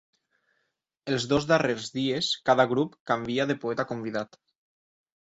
Els dos darrers dies cada grup canvia de poeta convidat.